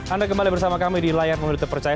anda kembali bersama kami di live room yotir persaya